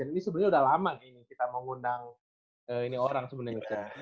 ini sebenarnya udah lama kita mau ngundang orang sebenarnya